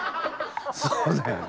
そうだよね。